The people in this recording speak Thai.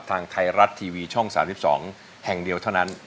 ทางไทยรัฐทีวีช่อง๓๒แห่งเดียวเท่านั้น